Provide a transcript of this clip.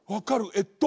えっと